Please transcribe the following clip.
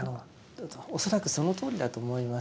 恐らくそのとおりだと思いますね。